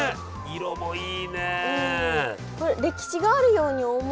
色もいいね。